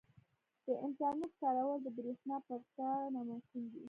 • د انټرنیټ کارول د برېښنا پرته ناممکن دي.